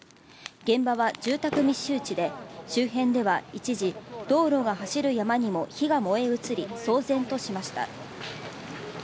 現場は住宅密集地で、周辺では一時道路が走る山にも火が燃え移り騒然としました。